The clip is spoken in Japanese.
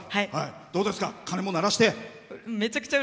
どうですか鐘も鳴らして。